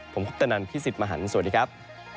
ผมคุปตนันพี่สิทธิ์มหันฯสวัสดีครับ